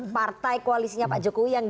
partai koalisinya pak jokowi yang